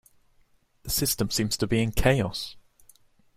The system seems to be in chaos.